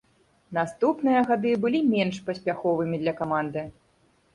Наступныя гады былі менш паспяховымі для каманды.